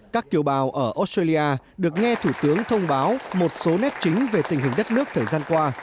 các kiều bào ở australia được nghe thủ tướng thông báo một số nét chính về tình hình đất nước thời gian qua